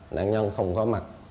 nạn nhân không có mặt